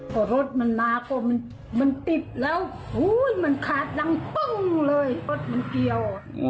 พอรถมันมาก็มันติดแล้วมันขาดดังปึ้งเลยรถมันเกี่ยว